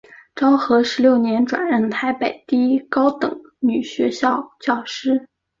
昭和十六年转任台北第一高等女学校教师。